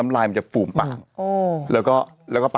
มีสารตั้งต้นเนี่ยคือยาเคเนี่ยใช่ไหมคะ